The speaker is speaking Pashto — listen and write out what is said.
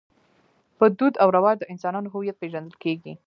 په دود او رواج د انسانانو هویت پېژندل کېږي.